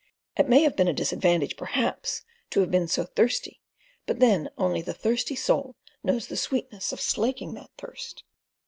It may have been a disadvantage, perhaps, to have been so thirsty; but then only the thirsty soul knows the sweetness of slaking that thirst.